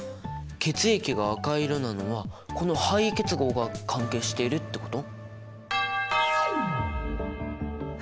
血液が赤い色なのはこの配位結合が関係しているってこと！？